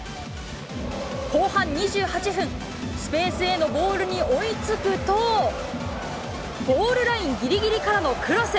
後半２８分、スペースへのボールに追いつくと、ゴールラインぎりぎりからのクロス。